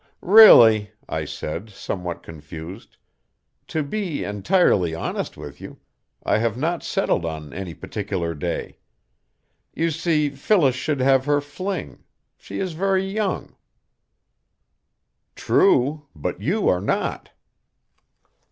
"Really," I said, somewhat confused, "to be entirely honest with you, I have not settled on any particular day. You see Phyllis should have her fling. She is very young." "True, but you are not."